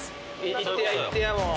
いってやいってやもう。